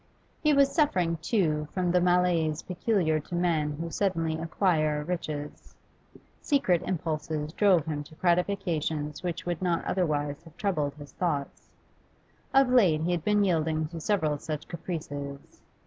He was suffering, too, from the malaise peculiar to men who suddenly acquire riches; secret impulses drove him to gratifications which would not otherwise have troubled his thoughts. Of late he had been yielding to several such caprices.